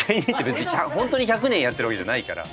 ホントに１００年やってるわけじゃないから。